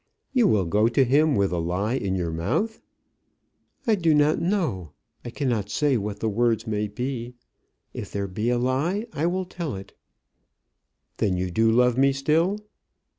"You will go to him with a lie in your mouth?" "I do not know. I cannot say what the words may be. If there be a lie, I will tell it." "Then you do love me still?"